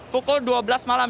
pukul dua belas malam